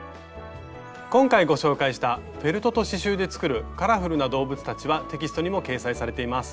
今回ご紹介した「フェルトと刺しゅうで作るカラフルな動物たち」はテキストにも掲載されています。